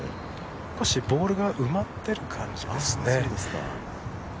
少しボールが埋まってる感じですね。